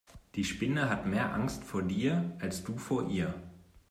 Die Spinne hat mehr Angst vor dir als du vor ihr.